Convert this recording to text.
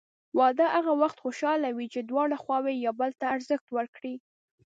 واده هغه وخت خوشحاله وي چې دواړه خواوې یو بل ته ارزښت ورکړي.